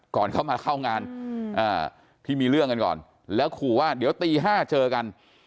ก่อนเข้ามาเข้างานที่มีเรื่องกันก่อนแล้วขู่ว่าเดี๋ยวตี๕เจอกัน